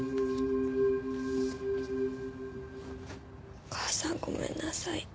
お母さんごめんなさい。